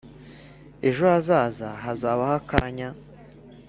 ejo hazaza hazabaho akanya,